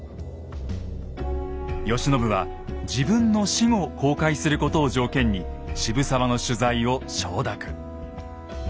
慶喜は自分の死後公開することを条件に渋沢の取材を承諾。